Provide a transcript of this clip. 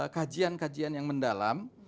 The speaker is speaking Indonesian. kajian kajian yang mendalam